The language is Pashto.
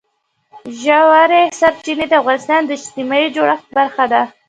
ژورې سرچینې د افغانستان د اجتماعي جوړښت برخه ده.